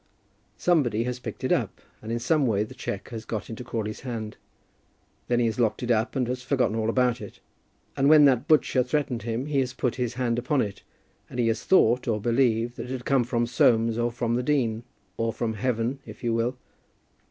Somebody has picked it up, and in some way the cheque has got into Crawley's hand. Then he has locked it up and has forgotten all about it; and when that butcher threatened him, he has put his hand upon it, and he has thought, or believed, that it had come from Soames or from the dean, or from heaven, if you will.